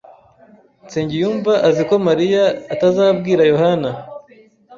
Nsengiyumva azi ko Mariya atazabwira Yohana.